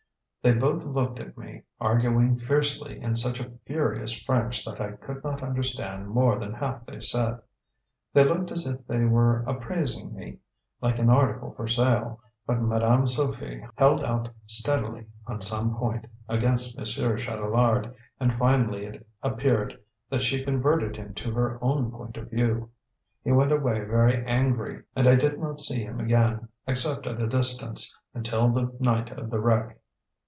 They both looked at me, arguing fiercely in such a furious French that I could not understand more than half they said. They looked as if they were appraising me, like an article for sale, but Madame Sofie held out steadily, on some point, against Monsieur Chatelard, and finally it appeared that she converted him to her own point of view. He went away very angry, and I did not see him again, except at a distance, until the night of the wreck."